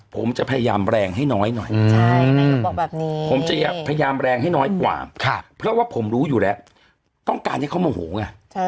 ผมจะพยายามแรงให้น้อยหน่อยเขาบอกแบบนี้ผมจะพยายามแรงให้น้อยกว่าเพราะว่าผมรู้อยู่แล้วต้องการให้เขาโมโหไง